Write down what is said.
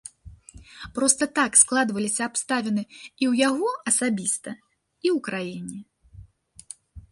Проста так складваліся абставіны і ў яго асабіста, і ў краіне.